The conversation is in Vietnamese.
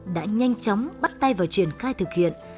đã nhanh chóng bắt tay vào triển khai thực hiện